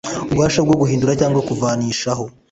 Ububasha bwo guhindura cyangwa kuvanishaho